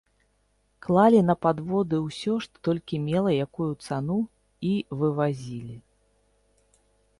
Клалі на падводы ўсё, што толькі мела якую цану, і вывазілі.